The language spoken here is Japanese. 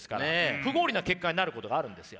不合理な結果になることがあるんですよ。